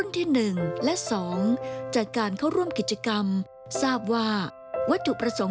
ดูแลก่างลูกเสือชาวบ้าน